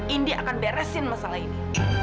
india akan beresin masalah ini